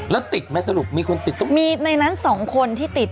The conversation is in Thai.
แล้วติดไหมสรุปมีคนติดต้องมีในนั้นสองคนที่ติด